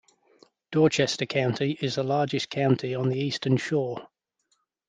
Dorchester County is the largest county on the Eastern Shore.